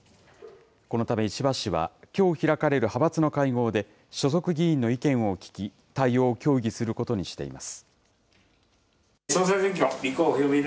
このため石破氏は、きょう開かれる派閥の会合で、所属議員の意見を聞き、対応を協議することにしています。